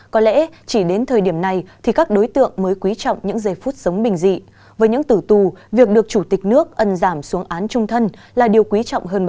có lẽ chỉ là những ngày chờ thi hành án đối với tử tù có lẽ khổ sở hơn bao giờ hết